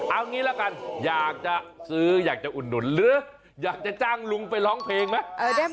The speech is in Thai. เอางี้ละกันอยากจะซื้ออยากจะอุดหนุนหรืออยากจะจ้างลุงไปร้องเพลงไหม